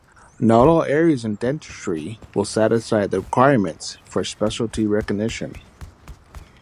Not all areas in dentistry will satisfy the requirements for specialty recognition.